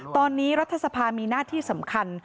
ตอนนี้รัฐสภามีหน้าที่สำคัญ